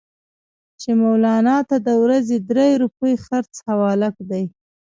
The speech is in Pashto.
چې مولنا ته د ورځې درې روپۍ خرڅ حواله دي.